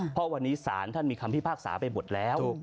เพราะวันนี้ศาลท่านมีคำพิพากษาไปหมดแล้ว